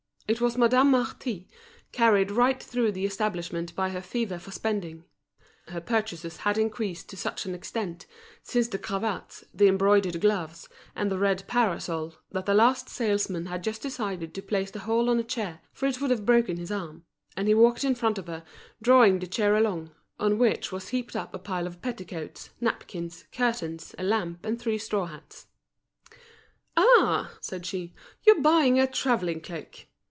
It was Madame Marty, carried right through the establishment by her fever for spending. Her purchases had increased to such an extent, since the cravats, the embroidered gloves, and the red parasol, that the last salesman had just decided to place the whole on a chair, for it would have broken his arm; and he walked in front of her, drawing the chair along, on which was heaped up a pile of petticoats, napkins, curtains, a lamp, and three straw hats. "Ah!" said she, "you are buying a travelling cloak."